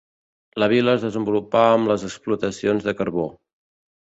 La vila es desenvolupà amb les explotacions de carbó.